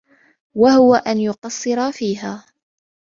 وَهُوَ أَنْ يُقَصِّرَ فِيهَا